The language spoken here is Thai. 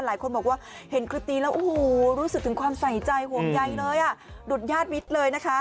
หลายคนบอกว่าเห็นคฤตีแล้วรู้สึกถึงความใส่ใจห่วงใยเลย